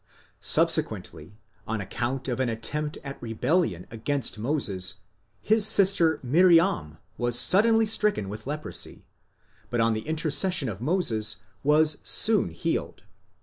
Subsequently, on account of an attempt at rebellion against Moses, his sister Miriam was suddenly stricken with leprosy, but on the intercession of Moses was soon 3 Ut sup.